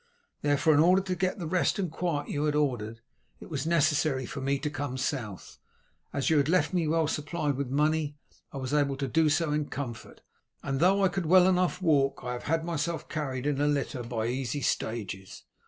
Therefore, in order to get the rest and quiet you had ordered, it was necessary for me to come south. As you had left me well supplied with money, I was able to do so in comfort, and though I could well enough walk I have had myself carried in a litter by easy stages.